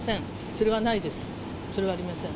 それはないです、それはありません。